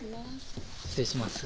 失礼します